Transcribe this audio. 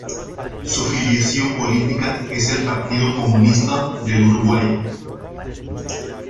Su filiación política es el Partido Comunista del Uruguay.